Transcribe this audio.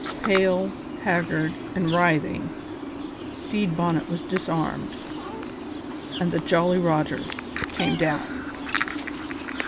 Pale, haggard, and writhing, Stede Bonnet was disarmed, and the Jolly Roger came down.